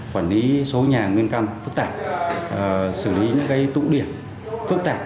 quản lý số nhà nguyên căn phức tạp xử lý những tụng điểm phức tạp